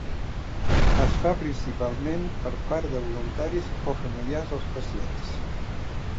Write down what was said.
Es fa principalment per part de voluntaris o familiars dels pacients.